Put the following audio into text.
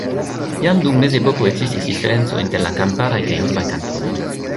Jam dum Mezepoko ekzistis diferenco inter la kamparaj kaj urbaj kantonoj.